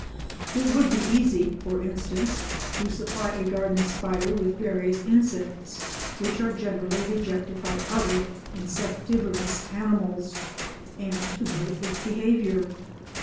It would be easy, for instance, to supply a garden spider with various insects which are generally rejected by other insectivorous animals, and to note its behaviour.